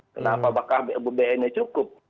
kenapa bakal bbm nya cukup